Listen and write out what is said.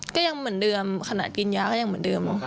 ก็ยังเหมือนเดิมขณะกินยาก็ยังเหมือนเดิม